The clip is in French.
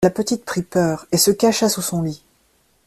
La petite prit peur et se cacha sous son lit.